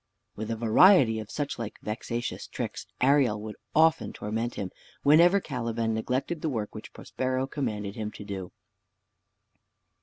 With a variety of such like vexatious tricks Ariel would often torment him, whenever Caliban neglected the work which Prospero commanded him to do.